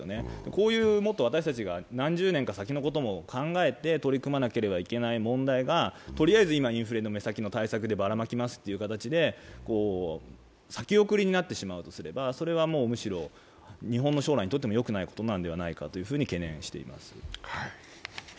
こういうもっと私たちが何十年も先のことを考えて取り組まなければいけない問題がとりあえず今、インフレの目先の対策でばらまきますという形で、先送りになってしまうとすれば、それはもうむしろ日本の将来にとってもよくないことなんじゃないかと懸念しています